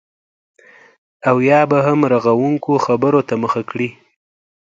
او یا به هم رغونکو خبرو ته مخه کړي